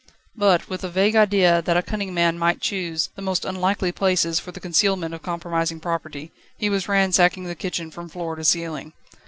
But, with a vague idea that a cunning man might choose the most unlikely places for the concealment of compromising property, he was ransacking the kitchen from floor to ceiling.